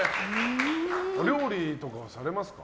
お料理とかされますか？